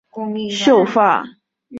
触摸你的秀发